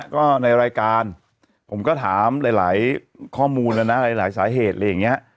ก็ในรายการผมก็ถามหลายข้อมูลแล้วนะหลายสาเหตุอะไรอย่างนี้